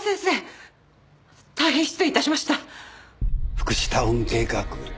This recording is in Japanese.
福祉タウン計画